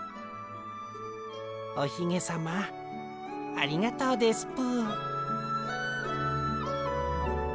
おひげさまありがとうですぷ。